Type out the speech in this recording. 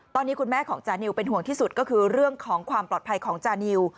ตอนนี้คุณแม่ของจานิวเป็นห่วงที่สุดก็คือเรื่องของความปลอดภัยของจานิว